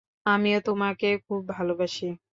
আমিও তোমাকে খুব ভালোবাসি।